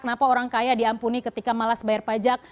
kenapa orang kaya diampuni ketika malas bayar pajak